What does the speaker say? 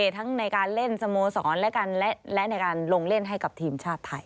ทั้งในการเล่นสโมสรและในการลงเล่นให้กับทีมชาติไทย